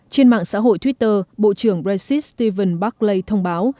trên mạng xã hội twitter bộ trưởng brexit stephen buckley thông báo